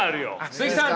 鈴木さん